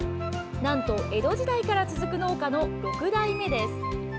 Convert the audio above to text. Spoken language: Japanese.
なんと江戸時代から続く農家の６代目です。